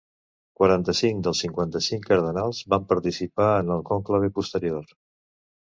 Quaranta-cinc dels cinquanta-cinc cardenals van participar en el conclave posterior.